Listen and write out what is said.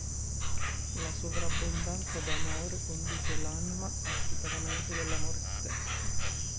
La sovrabbondanza d'Amore conduce l'Anima al superamento dell'Amore stesso.